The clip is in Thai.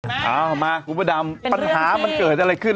เอามาบุปดัมปัญหามันเกิดอะไรขึ้น